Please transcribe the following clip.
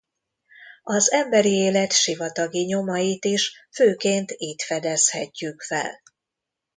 Az emberi élet sivatagi nyomait is főként itt fedezhetjük fel.